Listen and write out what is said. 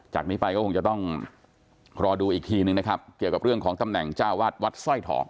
จากนี้ไปก็คงจะต้องรอดูอีกทีนึงนะครับเกี่ยวกับเรื่องของตำแหน่งเจ้าวาดวัดสร้อยทอง